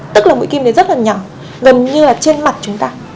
tức là mũi kim này rất là nhỏ gần như là trên mặt chúng ta